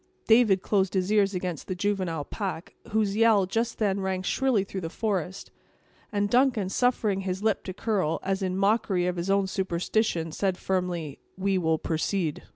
David closed his ears against the juvenile pack, whose yell just then rang shrilly through the forest; and Duncan, suffering his lip to curl, as in mockery of his own superstition, said firmly: "We will proceed."